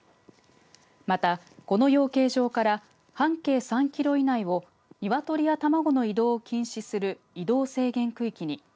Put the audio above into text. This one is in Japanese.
また、この養鶏場から半径３キロ以内を鶏や卵の移動を禁止する移動制限区域に。